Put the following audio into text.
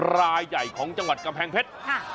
รายใหญ่ของจังหวัดกำแพงเพชร